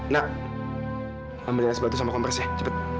nak ambil nasi batu sama kompres ya cepet